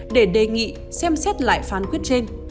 để đề nghị xem xét lại phán quyết trên